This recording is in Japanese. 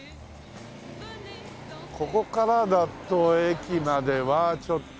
ここからだと駅まではちょっとあるか。